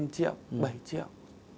năm triệu bảy triệu